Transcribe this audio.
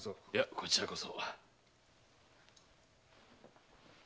こちらこそ。